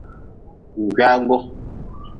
Gwaagu.